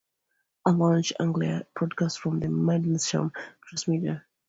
At launch, Anglia broadcast from the Mendlesham Transmitter.